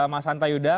mas hanta yuda